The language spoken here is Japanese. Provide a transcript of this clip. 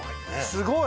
すごい！